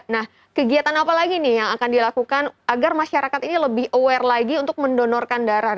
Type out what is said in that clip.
nah kegiatan apa lagi nih yang akan dilakukan agar masyarakat ini lebih aware lagi untuk mendonorkan darah